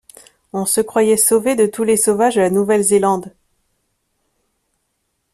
on se croyait sauvé de tous les sauvages de la Nouvelle-Zélande!